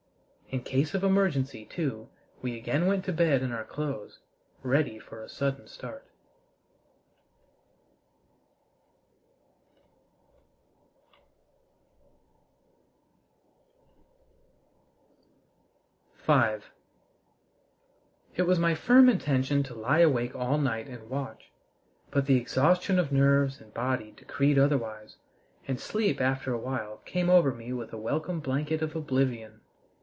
In case of emergency, too, we again went to bed in our clothes, ready for a sudden start. V It was my firm intention to lie awake all night and watch, but the exhaustion of nerves and body decreed otherwise, and sleep after a while came over me with a welcome blanket of oblivion.